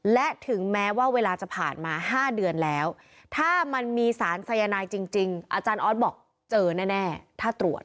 และถึงแม้ว่าเวลาจะผ่านมา๕เดือนแล้วถ้ามันมีสารสายนายจริงอาจารย์ออสบอกเจอแน่ถ้าตรวจ